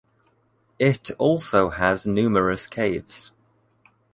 It also has numerous caves.